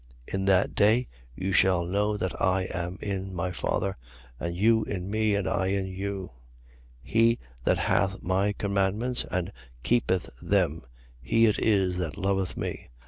In that day you shall know that I am in my Father: and you in me, and I in you. 14:21. He that hath my commandments and keepeth them; he it is that loveth me.